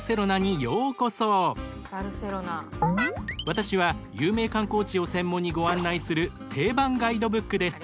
私は有名観光地を専門にご案内する定番ガイドブックです。